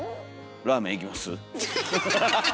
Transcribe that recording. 「ラーメン行きます？」。